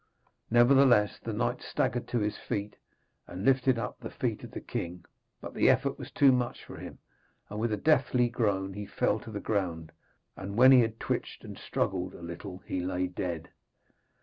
Nevertheless, the knight staggered to his feet and lifted up the feet of the king. But the effort was too much for him, and with a deathly groan he fell to the ground, and when he had twitched and struggled a little he lay dead.